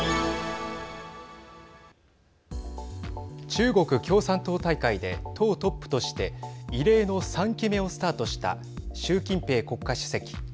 中国共産党大会で党トップとして異例の３期目をスタートした習近平国家主席。